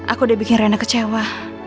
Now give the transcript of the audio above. aku udah bikin rene kecewa